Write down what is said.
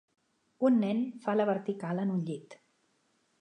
Un nen fa la vertical en un llit.